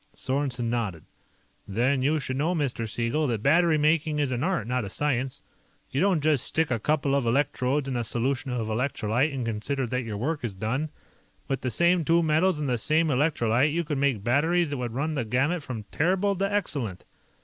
Sorensen nodded. "Then you should know, Mr. Siegel, that battery making is an art, not a science. You don't just stick a couple of electrodes into a solution of electrolyte and consider that your work is done. With the same two metals and the same electrolyte, you could make batteries that would run the gamut from terrible to excellent.